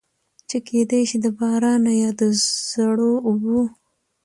چې کېدے شي د بارانۀ يا د زړو اوبو